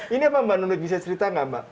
ini apa mbak nunit bisa cerita gak mbak